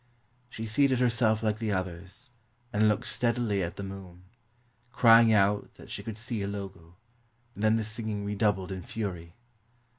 She seated herself like the others, and looked steadily at the moon, crying out that she could see Ilogo, and then the singing redoubled in fury.